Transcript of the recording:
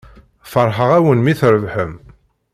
Feṛḥeɣ-awen mi trebḥem.